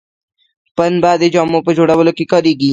پنبه د جامو په جوړولو کې کاریږي